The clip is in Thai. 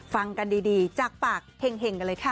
ฟังกันดีจากปากเห็งกันเลยค่ะ